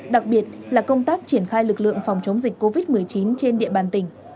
đặc biệt là công tác triển khai lực lượng phòng chống dịch covid một mươi chín trên địa bàn tỉnh